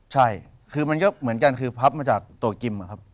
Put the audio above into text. ใช่คือมันก็เหมือนกันคือพับมาจากตัวกิมอะครับ